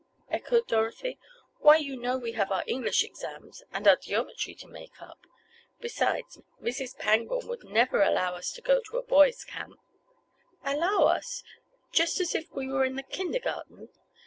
echoed Dorothy. "Why you know we have our English exams. and our geometry to make up. Besides, Mrs. Pangborn would never allow us to go to a boys' camp." "Allow us! Just as if we were in the kindergarten!